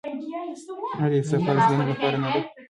آیا د یو سوکاله ژوند لپاره نه ده؟